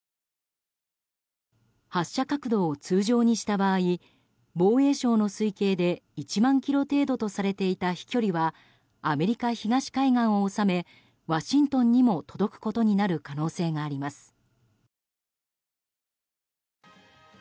発射角度を通常にした場合防衛省の推計で１万ｋｍ程度とされていた飛距離はアメリカ東海岸を収めワシントンにも届くことになる可能性があります。